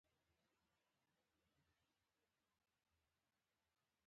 چت لوړ دی.